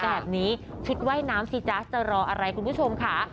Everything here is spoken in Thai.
แต่แบบนี้ชุดว่ายน้ำสีฟังละก็จะรออะไรคุณผู้ชมคะ